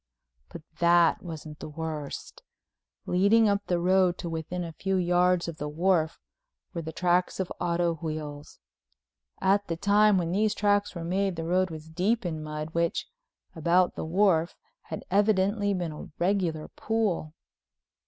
But that wasn't the worst—leading up the road to within a few yards of the wharf were the tracks of auto wheels. At the time when these tracks were made the road was deep in mud which, about the wharf, had evidently been a regular pool.